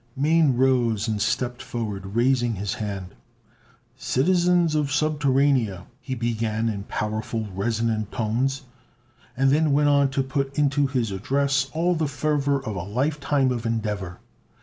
Mane rose and stepped forward, raising his hand. "Citizens of Subterranea," he began in powerful, resonant tones, and then went on to put into his address all the fervor of a lifetime of endeavor.